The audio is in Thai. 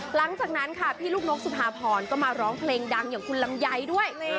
หลังจากนั้นค่ะพี่ลูกนกสุภาพรก็มาร้องเพลงดังอย่างคุณลำไยด้วย